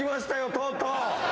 とうとう。